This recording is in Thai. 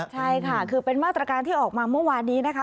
ใช่ค่ะคือเป็นมาตรการที่ออกมาเมื่อวานนี้นะคะ